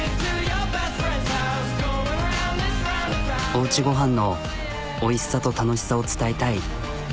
おうちご飯のおいしさと楽しさを伝えたい。